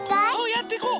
やっていこう。